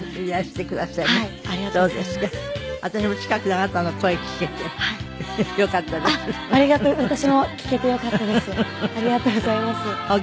ありがとうございます。